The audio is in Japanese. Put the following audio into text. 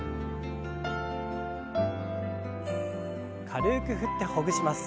軽く振ってほぐします。